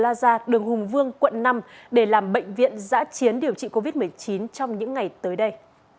tòa nhà thuận kiều plaza đường hùng vương quận năm để làm bệnh viện giã chiến điều trị covid một mươi chín trong những ngày tới đây